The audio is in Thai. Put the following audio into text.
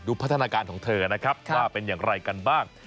พัฒนาการของเธอนะครับว่าเป็นอย่างไรกันบ้าง